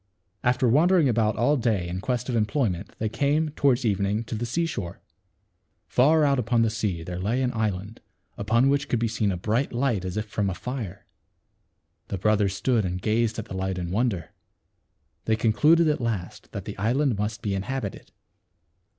After wandering about all day in quest of employment they came, toward evening, to the seashore. Far out upon the sea there lay an island, upon which could be seen a bright light as if from a fire. The brothers stood and gazed at the light in wonder. They concluded at last that the island must be inhabited.